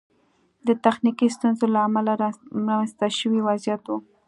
د تخنیکي ستونزو له امله رامنځته شوی وضعیت و.